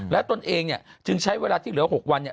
และตนเองจึงใช้เวลาที่เหลือ๖วัน